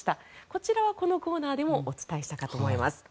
こちらは、このコーナーでもお伝えしたかと思います。